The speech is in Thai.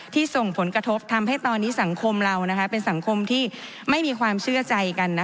ส่งผลกระทบทำให้ตอนนี้สังคมเราเป็นสังคมที่ไม่มีความเชื่อใจกัน